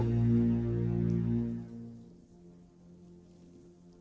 saya adalah anak buah maesha birawa